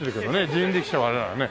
人力車はあれだからね。